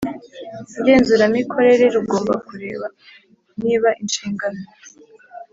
ngenzuramikorere rugomba kureba niba inshingano